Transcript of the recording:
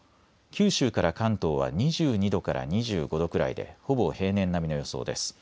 九州から関東は２２度から２５度くらいでほぼ平年並みの予想です。